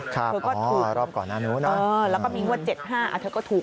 ครับอ๋อรอบก่อนหน้านู้นแล้วก็มีงวด๗๕อาจจะก็ถูก